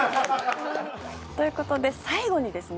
という事で最後にですね